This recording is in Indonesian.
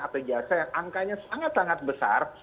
atau jasa yang angkanya sangat sangat besar